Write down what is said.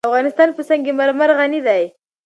افغانستان په سنگ مرمر غني دی.